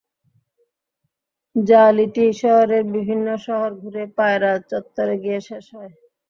র্যা লিটি শহরের বিভিন্ন সড়ক ঘুরে পায়রা চত্বরে গিয়ে শেষ হয়।